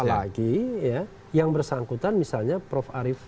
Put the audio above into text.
apalagi yang bersangkutan misalnya prof arief